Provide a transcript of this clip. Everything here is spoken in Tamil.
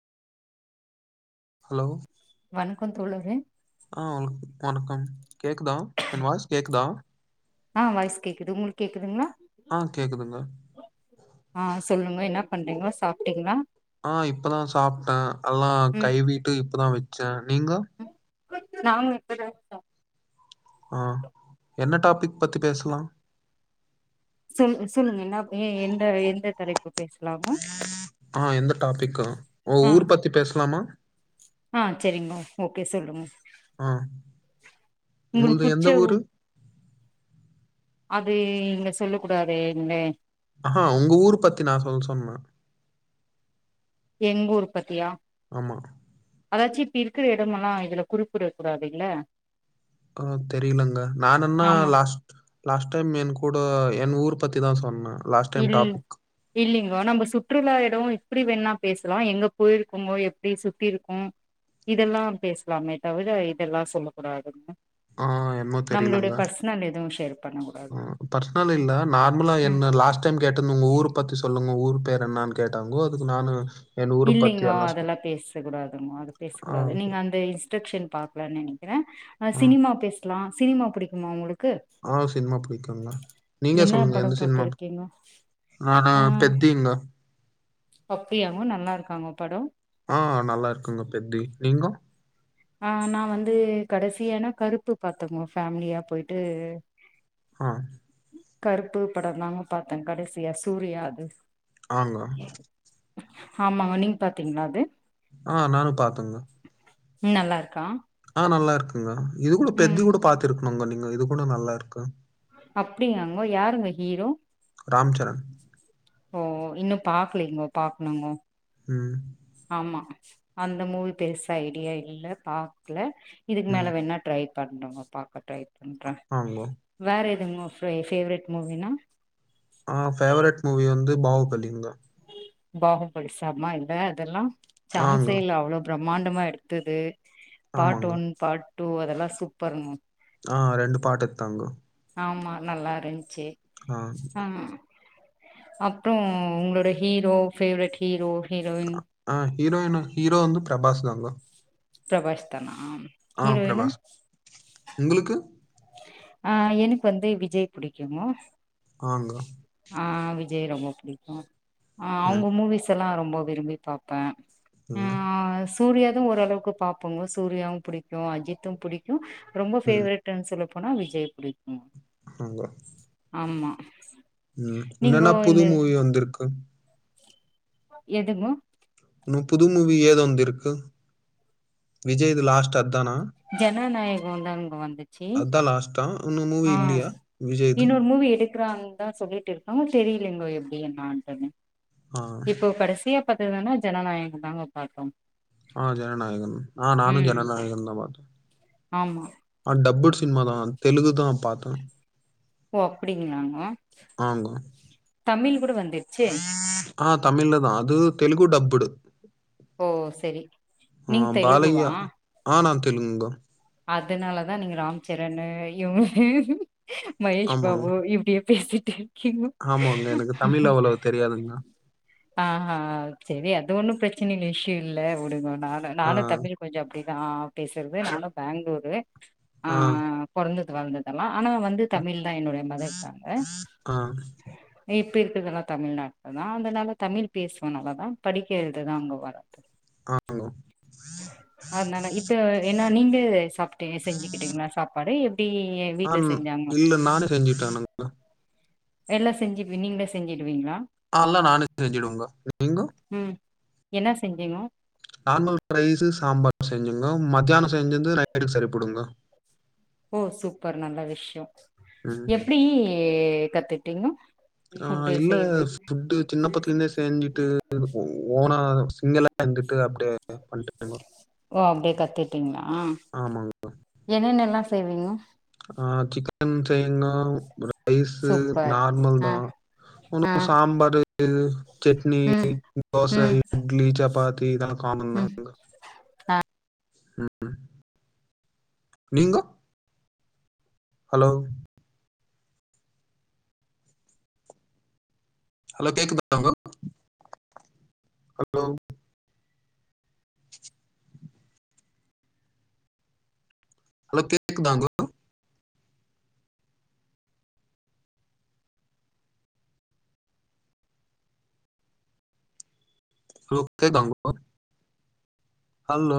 ஹலோ வணக்கம் தோழரே ஆ வணக்கம் கேக்குதா என் வாய்ஸ் கேக்குதா ஆ வாய்ஸ் கேக்குது உங்குளுக்கு கேக்குதுங்களா ஆ கேக்குதுங்க ஆ சொல்லுங்க என்னா பண்றீங்கோ சாப்ட்டீங்களா ஆ இப்பதா சாப்ட்ட எல்லா கயிவிட்டு இப்பதா வச்சே நீங்கோ நாங்களு இப்பதா சாப் ஆ என்ன டாப்பிக் பத்தி பேசலா சொல்லு சொல்லுங்க என்ன ஏ எந்த எந்த தலைப்பு க்கு பேசலா ஆ எந்த டாப்பிக்கா ஓ ஆ ஊர் பத்தி பேசலாமா ஆ செரிங்கோ ஓகே சொல்லுங்க ஆ உங்குளுக்கு உங்கள்து புடிச்ச எந்த உ ஊரு அது இங்க சொல்ல கூடாது ன்னே ம்ஹு உங்க ஊர் பத்தி நா சொல்ல சொன்னே எங்கூர் பத்தியா ஆமா அதாச்சு இப்ப இருக்குற எடமெல்லா இதுல குறிப்பிட கூடாதில்ல ஆ தெரிலங்க நானுன்னா ஆமா லாஸ்ட் லாஸ்ட் டைம் என் கூட என் ஊர் பத்திதா சொன்னே லாஸ்ட் டைம் இல் டாபிக் இல்லிங்கோ நம்ம சுற்றுலா எடோ இப்டி வேணா பேசுலா எங்க போயிருக்கோமோ எப்டி சுத்தி இருக்கு இதெல்லா பேசலாமே தவிர இதெல்லா சொல்ல கூடாது ஆ என்னமோ நம்மளுடைய பர்சன எது ஷேர் பண்ண கூடாது ம் பர்சனல் இல்ல நார்மலா ம் என்ன லாஸ்ட் டைம் கேட்டன உங்க ஊர் பத்தி சொல் உங்க ஊர் பேர் என்னான்னு கேட்டாங்கோ அதுக்கு நானு என் ஊர பத்தி இல்லிங்கோ எல்லாம் சொ அதெல்லா பேச கூடாதுங்கோ அத பேச ஆ, கூடாது நீங்க அந்த இன்ஸ்ட்ரக்சன் பாக்கல நெனைக்கிறே அ ஆ, சினிமா பேசலா சினிமா புடிக்குமா உங்களுக்கு ஆ சினிமா புடிக்குங்க நீங்க என்ன சொல்லுங்க படோ எந்த சினிமா ஆ பாத்துருக்கீங்கோ ஆஹா பெத்திங்கோ அப்டியாங்கோ நல்லா இருக்காங்க படோ ஆ நல்லா இருக்குங்கோ பெத்தி நீங்கோ ஆ நா வந்து கடைசியானா கருப்பு பாத்தங்கோ ஃபேமிலியா போயிட்டு ஆ கருப்பு படந்தாங்க பாத்தே கடைசியா சூர்யா அது ஆங்க ஆமாங்க நீங் பாத்தீங்களா அது ஆ நானு பாத்தங்க ம் நல்லாருக்கா ஆ நல்லார்க்குங்க இது கூட பெத்தி கூட பாத்திருக்ணுங்க நீங்க இது கூட நல்லாருக்கு அப்டிங்யாங்கோ யாருங்க ஹீரோ ராம்ச்சரண் ஓ இன்னு பாக்லிங்கோ பாக்ணுங்கோ ம் ஆம்மா அந்த மூவி பெருசா ஐடியா இல்ல பாக்ல இதுக்கு ம். மேல வேன்னா ட்ரை பண்றோங்க பாக்க ட்ரை பண்ற ஆங்கோ. வேற எதுங்க உ ஃபே ஃபேவரிட் மூவின்னா ஆ ஃபேவரெட் மூவி வந்து பாவுபலிங்க பாகுபலி சம்ம இல்ல அதெல்லா ஆங்க. ச்சான்சே இல்ல அவ்வளோ பிரம்மாண்டமா எடுத்தது பார்ட் ஆமாங்க. ஒன் பார்ட் டூ அதெல்லா சூப்பருங் ஆ ரெண்டு பாட் எத்தாங்கோ ஆம்மா நல்லாருந்ச்சு ஆ அம் அப்ற உங்களோட ஹீரோ ஃபேவரெட் ஹீரோ ஹீரோயின் அ ஹீரோயின் ஷீரோ வந்து பிரபாஸ் தாங்க பிரபாஷ்தானா அ பிரபாஸ் உங்களுக்கு ஆ எனக் வந்து விஜய் புடிக்கும் ஆங்க அ விஜய் ரொம்ப புடிக்கு அ அவுங்க ம் மூவிஸ்எ ல்லா ரொம்ப விரும்பி பாப்பே ஆ ம் சூர்யாது ஓரளவுக்கு பாபப்புங்க சூர்யாவும் புடிக்கும் அஜித்தும் புடிக் க்கு ரொம்ப ஃபேவரட்ன் சொல்லப்போனா விஜய் புடிக்கு அங்க ஆம்மா ம் இன்னன்னா புது மூவி வந்துருக்கு எதுங்கோ இன்னு புது மூவி ஏது வந்திருக்கு விஜய்து லாஸ்ட் அத்தானா ஜனநாயகோ தாங் வந்து அத்தா லாஸ்ட்டா அ இன்னொர் மூவி எடுக்றாங் தா சொல்லிட் இருக்காங்க தெரியிலங்கோ எப்புடி என்னாடுனு ஆ இப்போ கடசியா பாத்ததுதுனா ஜனநாயகம் தாங்க பாத்தோ ஆ ஜனநாயகன் ஆ நானு ஜனநாயகன் தா பாத் ஆமா ஆ டப்புட் சின்மா தா தெலுகுதா பாத்த ஓ அப்புடிங்களாங்க ஆங்க தமிழ் கூட வந்துர்ச்சே ஆ தமிழ்ல்ல தா அது தெலுகூ டப்புடு ஓ சரிங்க ஆ நீங்க தெலுகூவா பாலையா ஆ நா தெலுங்க அதுனாலதா நீங்க ராம்ச்சரணு ஜயோ ம் ஆமாங்க மகேஷ்பாபு இப்டியே பேசிட்டு க்யூ ஆமாங்க எனக்கு தமிழ் அவ்வளவு தெரியாதுங்க [unintelligible] ஆ செரி அது ஒண்ணு பிரச்சன இல்ல இஷ்யூ இல்ல வுடுங்க நானும் ஆ நானும் தமிழ் கொஞ்சம் அப்படிளதான் பேசுறது நானும் பெங்ளூரு ஆ பொறந்தது வளர்ந்ததெல்லா ஆனா வந்து தமிழ் தான் என்னுடைய மதர் டங் ஆ ஈப்ப இருக்கதெல்லா தமிழ்நாட்ல தா அதனால தமிழ் பேசுவே நல்லா தா படிக்க எழுத தா அங்க வர ஆங்க அதனால இப்ப என்னா நீங்க சாப்ட்டு செஞ்சுக்கிட்டீங்ளா சாப்பாடு எப்டி ஆ வீட்ல ந- செஞ்சாங்க இல்ல நானே செஞ்சுட்டே [unintelligible] எல்லா செஞ்சு நீங்களே செஞ்சுடுவீங்ளா ஆல்லா நானே செஞ்சுடுவேங்க நீங்க உம் என்ன செஞ்சீங்கோ நார்மல் ரைஸு சாம்பார் செஞ்சுங்கோ மத்தியானம் செஞ்சந்து நைட்டுக்கு சரிபடுங்க ஓ சூப்பர் நல்ல விஷ்யோம் ம் எப்டி கத்துட்டீங்க ஆ இல்ல ஃபுட்டு சின்ன பத்துல இருந்தே செஞ்சுட்டு இருக்கூ ஓனா நீங்கல்லாம் எந்துட்டு அப்டியே பண்ணட் போங்கோ ஓ அப்டியே கத்துட்டீங்ளா ஆமாங்க என்னென்னலாம் செய்வீங்க ஆ சிக்கன் செய்ங்கோ ரைஸு சூப்பர் நார்மல் ஆ தா ஆ ஒன்னும் சம்பார் சட்னி ம் தோச ம் இட்லி சப்பாத்தி தா ம் ஆமந்தாங்க உம் நீங்கோ ஹலோ ஹலோ கேக்குதாங்கோ ஹலோ ஹலா கேக்குதாங்கோ ஹலோ கேக்குதாங்கோ ஹலோ